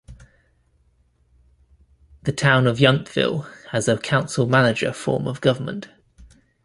The Town of Yountville has a council-manager form of government.